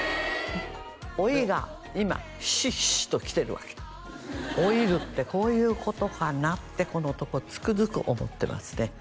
老いが今ひしひしと来てるわけ老いるってこういうことかなってこのとこつくづく思ってますね